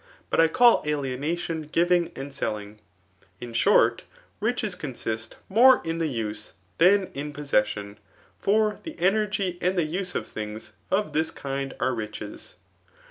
But I call alienation giving afKl selling. In short, riches consist more in use than in pos* sesaon. For the energy and the use of things of this kind are riches.